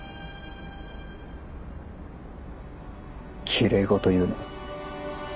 きれい事言うな。